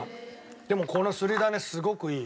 でもこのすりだねすごくいい。